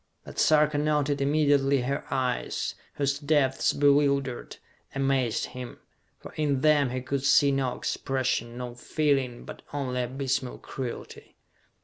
But Sarka noted immediately her eyes, whose depths bewildered, amazed him. For in them he could see no expression, no feeling, but only abysmal cruelty.